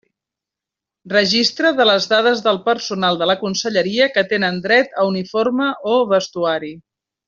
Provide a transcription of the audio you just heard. Registre de les dades del personal de la conselleria que tenen dret a uniforme o vestuari.